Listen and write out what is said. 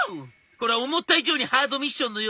これは思った以上にハードミッションのようね。